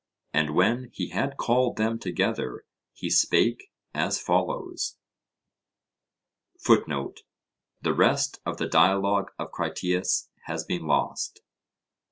And when he had called them together, he spake as follows [*]* The rest of the Dialogue of Critias has been lost.